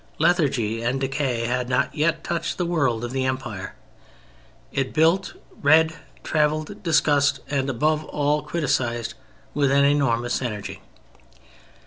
Lethargy and decay had not yet touched the world of the Empire. It built, read, traveled, discussed, and, above all, criticized, with an enormous energy.